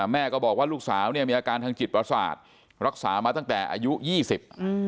แม่ก็บอกว่าลูกสาวเนี่ยมีอาการทางจิตประสาทรักษามาตั้งแต่อายุยี่สิบอืม